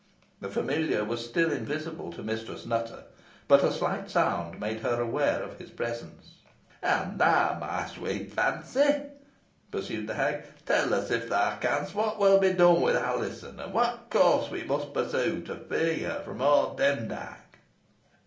The familiar was still invisible to Mistress Nutter, but a slight sound made her aware of his presence. "And now, my sweet Fancy," pursued the hag, "tell us, if thou canst, what will be done with Alizon, and what course we must pursue to free her from old Demdike?"